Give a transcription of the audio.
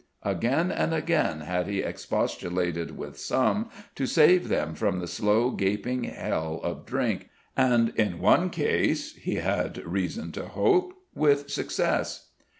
Again and again had he expostulated with some, to save them from the slow gaping hell of drink, and in one case, he had reason to hope, with success.